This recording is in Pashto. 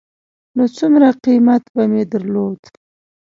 نو څومره قېمت به مې درلود.